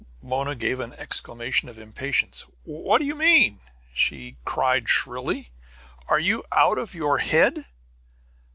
Mona gave an exclamation of impatience. "What do you mean?" she cried shrilly. "Are you out of your head?"